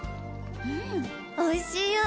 うん美味しいよ。